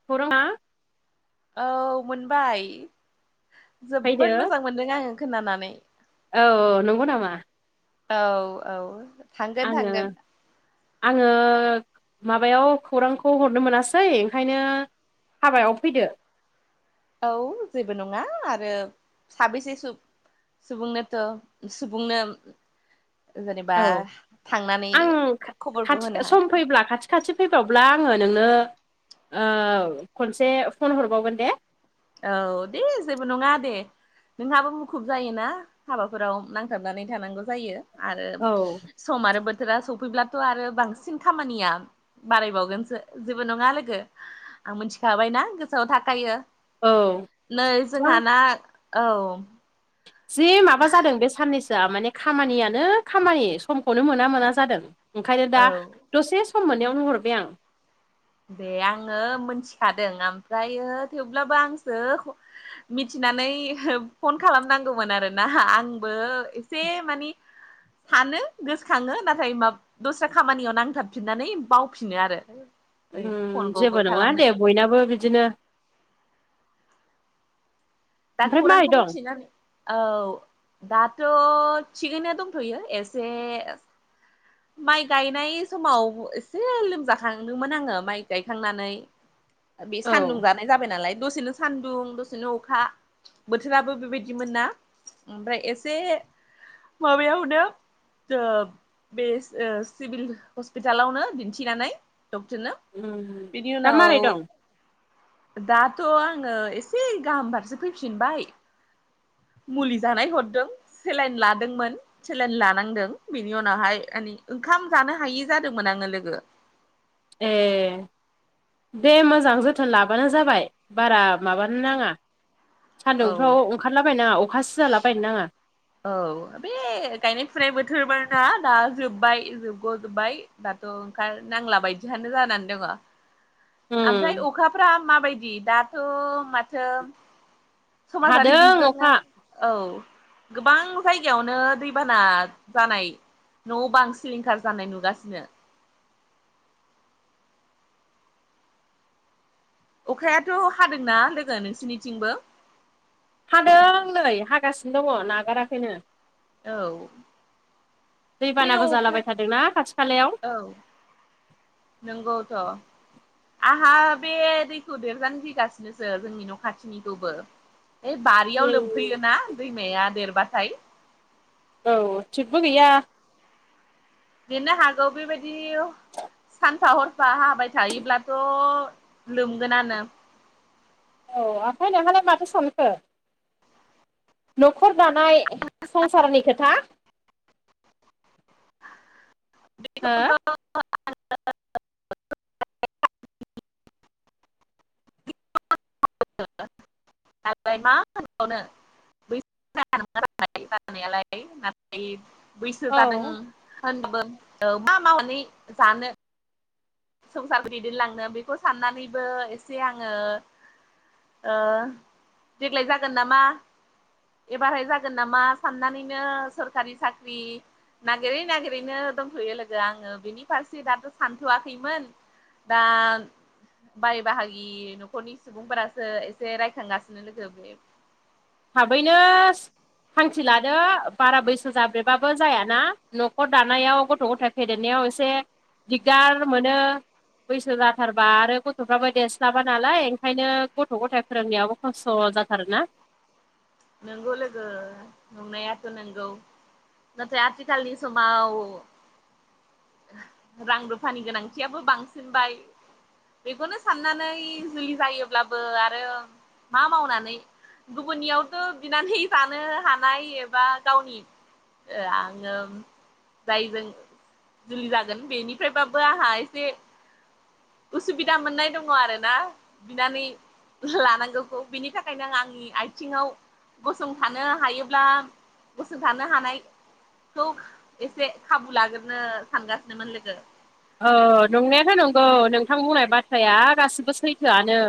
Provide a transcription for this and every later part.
[unintelligible] औ मोनबाय फैदो जोबोद मोजां मोनदों आंङो खोनानानै औ नंगौ नामा औ औ थांगोन आंङो थांगोन आंङो माबायाव खौरांखौ हरनो मोनासै ओंखायनो हाबायाव फैदो। औ जेबो नंङा आरो साबैसे सुबुंनोथ' सुबुंनो जेनेबा औ थांनानै आं खबरखौ खाथि होनो सम हानो फैब्ला खाथि खाथि फैबावब्ला आंङो नोंनो खनसे फन हरबावगोन दे औ दे जेबो नंङा दे नोंहाबो मुखुब जायोना हाबाफोराव नांथाबनानै थानांगौ जायो आरो औ सम आरो बोथोरा सफैब्लाथ' आरो बांसिन खामानिया बारायबावगोनसो जेबो नंङा लोगो आं मिथिखाबायनाा गोसोआव थाखायो औ नै जोंहाना औ जि माबा जादों बे साननैसो माने खामानियानो खामानि समखौनो मोना मोना जादों ओंखायनो औ दा दसे सम मोननायावनो हरबाय आं दे आंङो मोनथिखादों ओमफ्रायो थेवब्लाबो आंसो मिथिनानै फन खालामनांगौमोन आरोना आंबो एसे मानि फानो गोसोखांङो नाथाय मा दसे खामानियाव नांथाबफिननानै बावफिनो आरो ओइ उम फनखौबो जेबो नंङा खालामनो दे बयनाबो बिदिनो दा ओमफ्राय मारै खौरांखौ दं मिथिनानै औ दाथ' थिगैया दंथ'यो एसे माइ गायनाय समाव एसे लोमजाखांदोंमोन आंङो माइ गायखांनानै बे औ सान्दुं जाथ नाय जाबाय नालाय दसेनो सान्दुं दसेनो अखा बोथोराबो बेबायदि मोन ना ओमफ्राय एसे माबायाव हदो बे सिभिल हस्पिटालावनो दिन्थिनानै डक्टरनो बिनि दा उनाव मारै दं दाथ आंङो एसे गाहाम फारसे फैफिनबाय मुलि जानाय हरदों सेलायन लादोंमोन सेलायन लानांदों बेनि उनावहाय मान ओंखाम जानो हायि जादोंमोन आःङो लोगो ए दे मोजां जोथोन लाबानो जाबाय बारा माबानो नांङा औ सान्दुंफ्राव ओंखारलाबायायनाङा अखाासो जालाबायायनो नांङा औ बे गायनाय फुनाय बोथोर ना दा जोब्बाय जोबग जोबबाय दाथ' ओंखार नांला बायदियानो जानानै दंङो ओमफ्राय उम अखाफ्रा माबायदि दाथ' माथो समाजारि हादों बिजोंनो अखा औ गोबां जायगायावनो दैबाना जानाय न' बांं सिलिंखार जानाय नुगासिनो अखायाथ' हादोंना लोगो नोंसोरनिथिंबो हादों नै हागासिनो दंङो नागाराखैनो औ बे दैबानाबो अखा जालाबाय थादोंना खाथि खालायाव औ नोंगौथ आहा बे दैखौ देरजानो गिगासिनोसो जोंनि न' खाथिनिखौबो ऐ बारियाव उम लोमफैयोना दैमाया देरबाथाय औ थिगबो गैया देरनो हागौ बिबायदि सानफा हरफा हाबाय थायोब्लाथ लोमगोनानो औ ओमफ्राय नोंहालाय माथो सानखो न'खर दानाय संसारनि खोथा हो बेखौथ आंलाय मा होनबावनो [unintelligible] नाथाय बैसो जादों औ होनदों मा मावनानै जानो संसार दैदेनलांनो बेखौ साननानैबो एसे आङो ओ देग्लाय जागोन नामा एबारहै जागोन नामा साननानैनो सोरखारि साख्रि नागिरै नागिरैनो दंथयो लोगो आङो बिनि फारसे दाथ सानथवा खैमोन दा बाय बाहागि न'खरनि सुबुंफोरासो एसे रायखांगासिनो लोगो बे थाबैनो थांखि लादो बारा बैसो जाब्रेबाबो जायाना न'खर दानायाव गथ' गथाय फेदेरनायाव एसे दिग्दार मोनो बैसो जाथारबा आरो गथ'फ्राबो देरस्लाबा नालाय ओंखायनो गथ' गथाय फोरोंनायाव खस्थ जाथारोना नंगौ लोगो नंनायाथ नंगौ नाथाय आथिखालनि समाव रां रुफानि गोनांथियाबो बांसिनबाय बेखौनो साननानै जुलि जायोब्लाबो आरो मा मावनानै गुबुननियावथ बिनानै जानो हानाय एबा गावनि आङो जायजों जुलि जागोन बेनिफ्रायबाबो आंहा एसे उसुबिदा मोननाय दङ आरोना बिनानै लानांगौखौ बिनि थाखायनो आं आंनि आथिङाव गसंथानो हायोब्ला गसंथानो हानाय खौ एसे खाबु लाग्रोनो सानगासिनोमोन लोगो औ नंनायाथ नंगौ नोंथां बुंनाय बाथ्राया गासिबो सैथोआनो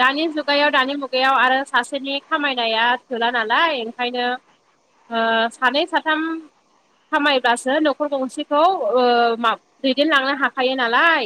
दानि जुगायाव दानि मुगायाव आरो सासेनि खामायनाया थोला नालाय ओंखायनो ओ सानै साथाम खामायब्लासो न'खर गंसेखौ ओ मा दैदेनलांनो हाखायो नालाय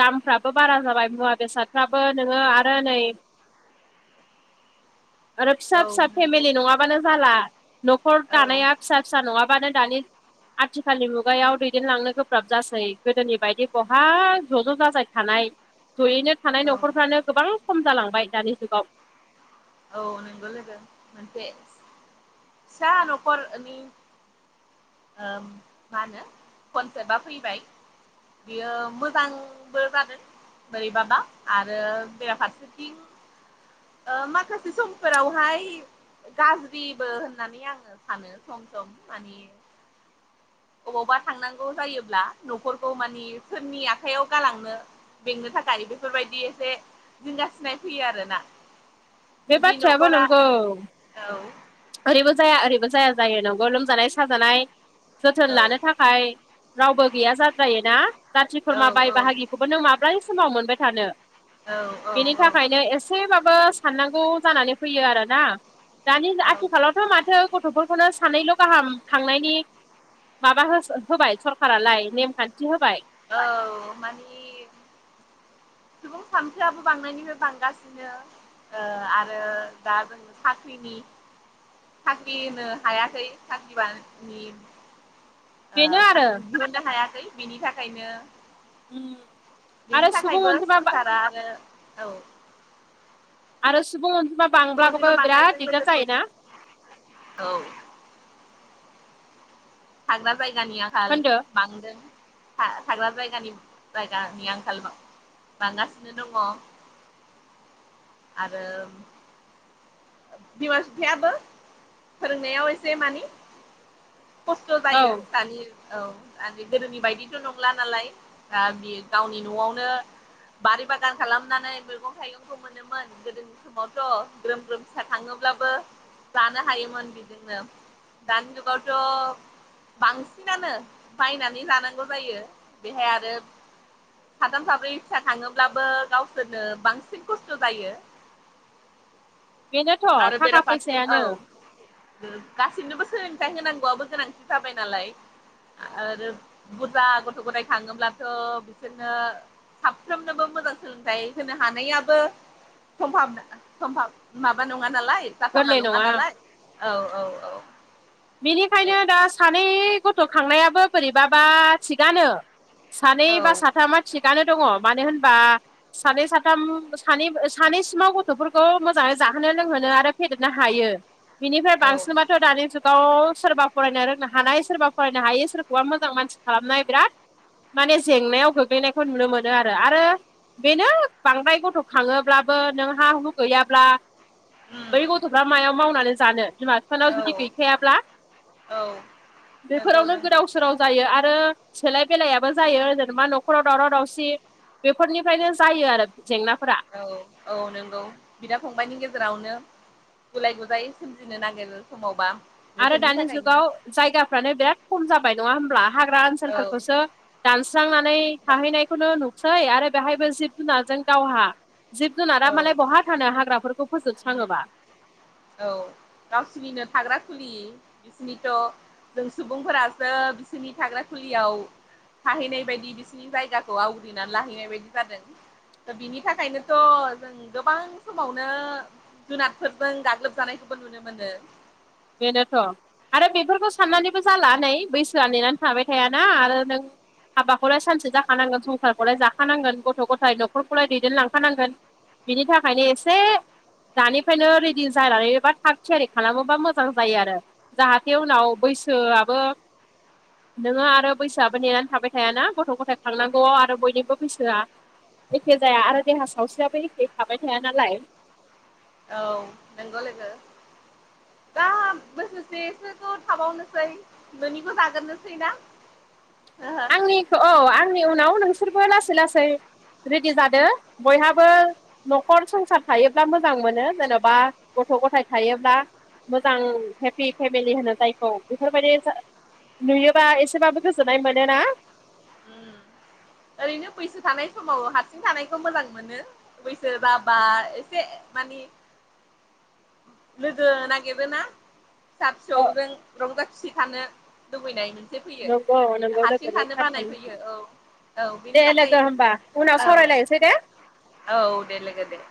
दामफ्राबो बारा जाबाय मुवा बेसादफ्राबो नोङो आरो नै [inaudible] आरो फिसा औ फिसा नंगौ फेमिलि नङाबानो जाला न'खर औ दानाया फिसा फिसा नङाबानो दानि आथिखालनि मुगायाव दैदेनलांनो गो ब्राब जासै गोदोनि बायदि बहाहा ज' ज' जाजायख जयैनो थानाय औ न'खरफ्रानो गोबां खम जालांबाय दानि जुगाव औ नंगौ लोगो मोनसे फिसा न'खरनि मा होनो कनसेबा फैबाय बियो मोजांबो जादों बोरैबाबा आरो बेराफारसेथिं माखासे समफोरावहाय गाज्रिबो होननानै आङो सानो सम सम माने अबावबा थांनांगौ जायोब्ला न'खरखौ मानि सोरनि आखाइयाव गालांनो। बेंनो थाखाय बेफोरबादि एसे जिंगा सिनायफैयो आरो ना बे जुदि बाथ्रायाबो न'खरा नंगौ औ ओरैबो जाया ओरैबो जाया जायो नंगौ लोमजानाय साजानाय जोथोन औ लानो थाखाय रावबो गैया जाद्रायोना जाथि औ खुरमा बाय औ बाहागि थेवबो नों माब्ला समाव मोनबाय थानो औ औ बेनि औ। थाखायनो एसेबाबो साननांगौ जानानै फैयो आरोना दानि औ आथिखालावथ' माथो गथ'फोरखौनो सानैल' गाहाम थांनाय माबा होबाय सरखारालाय नेमखान्थि होबाय हो औ मानि सुबुं सानखोआबो बांनायनिफ्राय बांगासिनो दं। आरो दा जोङो साख्रिनि ओ साख्रि होनो हायाखै साख्रि बान ओ बेनो आरो साख्रि [unintelligible] दिहुननो हायाखै बिनि थाखायनो उम बेनि आरो सुबुं थाखायबो अनजिमा सरखारा आरो औ ओ आरो सुबुं अनजिमा सुबुं बांब्लाबो अनजिमा बांनायजों बिराद दिगदार लोगोसे जायोना ओ औ। थाग्रा जायगानि आंखाल होनदो बांदों थाग्रा जायगानि जायगानि आंखाल ना बांगासिनो दङ। आरो बिमा बिफायाबो फोरोंनायाव एसे मानि खस्थ' औ जायो दानि औ आरो गोदोनि बायदिथ' नंला नालाय बे गावनि न'आवनो बारि बागान खालामनानै मैगं थाइगंखौ मोनोमोन गोदोनि समावथ' ग्रोम ग्रोम फिसा थाङोब्लाबो जानो हायोमोन बेजोंनो दानि जुगावथ' बांसिनानो बायनानै जानांगौ जायो बेहाय आरो थाम साब्रै फिसा थाङोब्लाबो गावसोरनो बांसिन खस्थ' जायो। बेनोथ' आरो थाखा बेराफारसे औ फैसायानो गासैनोबो सोलोंथाइ होनांगौआबो गोनांथि जाबाय नाला आरो बुरजा गथ' गथाय खााङोब्लाथ' बिसोर साफ्रोमनोबो मोजां सोलोंथाइ होनो हानायाबो समनो सम [unintelligible] बा नङा नालाय जाथावना नङा नालाय औ औ औ ओ बेनिखायनो दा सानै गथ' खांनायाबो बोरैबाबा थिगानोन सानै औ बा साथामा थिगानो दङ मानो होनबा? सानै सा-साथाम सानै सानैसिमाव गथ'फोरखौ मोजाङै जाहोनो लोंहोनो आरो फे-फेदेरनो हायो बिनिफ्राय औ बांसिनाथ' दानि जुगा गाव सोरबा फरायनो रोंनो हानाय सोरबा फरायनो हायो सोरखौबा मोजां मानसि खालामनाय बिराद माने जेंनायाव गोग्लैनायखौ नुनो मोनो आरो आरो। बेनो बांद्राय गथ' खाङोब्लाबो नोंहा हु गैयाब्ला उम बै गथ'फ्रा मायाव मावनानै जानो बिमा बिफानाव औ जुदि औ नंगौ बेफोरावनो नंगौ गोदाव-सोराव जायो आरो ओ सोलाय बेलायाबो जायो जेनेबा न'खराव दावराव दावसि बेफोरनिफ्रायनो जायो आरो जेंनाफोरा। औ औ नंगौ बिदा-फंबाइनि गेजेरावनो गुलाय गुजायै सोमजिनो नागिरो समावबा आरो बेफोरनि दानि थाखायनो जुगाव जायगाफ्रानो बिराद खम जाबाय नङा होमब्ला हाग्रा औ ओनसोलफोरखौसो दानस्रांनानै थाहैनायखौनो नुसै आरो बेहायबो जिब-जुनारजों दावहा जिब जुनारा औ मालाय बहा थानो हाग्राफोरखौ उम फोजोबस्राङोबा औ गावसनिनो थाग्रा खुलि बिसिनिथ' जों सुबुंफोरासो बिसोरनि थाग्रा खुलिआव थाहैनाय बायदि बिसिनि जायगाखौ आवग्रिनानै लाहैनाय बायदि जादों बिनि थाखायनोथ' जों गोबां समावनो जुनारफोरजों गाग्लोबजानायखौबो नुनो मोनदों बेनोथ' आरो बेफोरखौ साननानैबो जाला नै बैसोआ नेनानै थाबाय थाया ना आरो नों हाबाखौलाय सानसे जाखानांगोन संसारखौलाय जाखानांगोन गथ' ग'थाय न'खरखौलाय दैदेनलांखानांगोन बिनि थाखायनो एसे दानिफ्रायनो रेडि जानानै एबा थाग थिआरि खालामोबा मोजां मोजां जायो आरो जाहाथे उनाव बैसोआबो नोङो आरो बैसोआबो नेनानै थाबाय थायाना गथ' गथाय खांनांगौआव आरो बयनिबो बैसोआ एखे जाया आरो देहा सावस्रिआबो एखे थाबाय थाया नालाय औ नोंगौ लोगो बोसोरसे सोखौ थाबावनोसै ननिखौ जागोर नोसैना आंनिखो औ आंनि उनाव नोंसोरबो लासै लासै रेडि जाद बयहाबो न'खर संसार थायोब्ला मोजां मोनो जेन'बा गथ' ग'थाय थायोब्ला मोजां हेपि फेमिलि होनो जायखौ बेफोरबादि जा नुयोबा एसेबाबो गोजोननाय मोनो ना उम ओरैनो बैसो थानाय समाव हारसिं थानायखौ मोजां मोनो बैसो जाबा एसे मानि लोगो नागिरोना फिसा अ फिसौजों रंजा खुसि थानो लुबैनाय मोनसे फैयो नंगौ नंगौ लोगो हारसिं नों थानो बानाय थारखौनो होनदों फैयो औ औ दे बेनि थाखाय लोगो होमबा उनाव औ सावरायलायसै दे औ दे लोगो दे